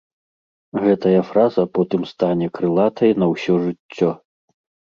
Гэтая фраза потым стане крылатай на ўсё жыццё.